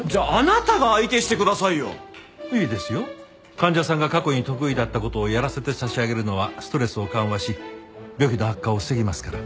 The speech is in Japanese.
患者さんが過去に得意だった事をやらせて差し上げるのはストレスを緩和し病気の悪化を防ぎますから。